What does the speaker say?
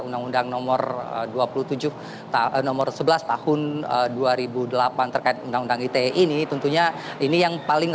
undang undang nomor sebelas tahun dua ribu delapan terkait undang undang ite ini tentunya ini yang paling